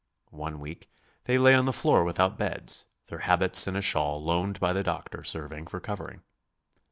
One week they lay on the floor without beds, their habits and a shawl loaned by the doctor serving for covering.